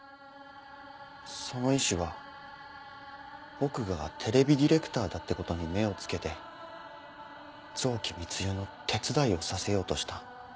その医師は僕がテレビディレクターだってことに目を付けて臓器密輸の手伝いをさせようとした。